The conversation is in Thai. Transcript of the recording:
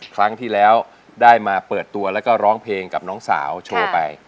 ครั้งที่แล้วได้มาเปิดตัวแล้วก็ร้องเพลงกับน้องสาวโชว์ไป